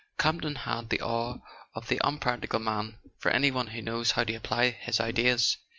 Campton had the awe of the unpractical man for anyone who knows how to apply his ideas.